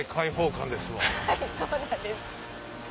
はいそうなんです。